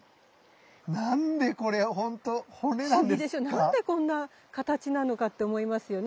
何でこんな形なのかって思いますよね。